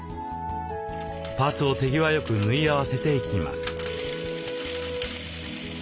パーツを手際よく縫い合わせていきます。